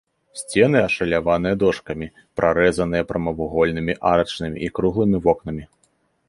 Сцены ашаляваныя дошкамі, прарэзаныя прамавугольнымі арачнымі і круглымі вокнамі.